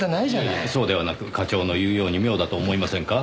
いえいえそうではなく課長の言うように妙だと思いませんか？